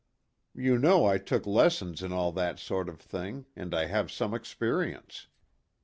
You know I took lessons in all that sort of thing and I have some experience.